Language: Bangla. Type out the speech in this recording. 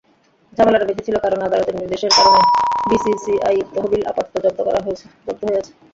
ঝামেলাটা বেঁধেছিল, কারণ আদালতের নির্দেশের কারণে বিসিসিআই তহবিল আপাতত জব্দ হয়ে আছে।